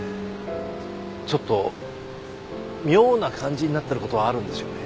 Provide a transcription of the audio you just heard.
ちょっと妙な感じになってることはあるんですよね。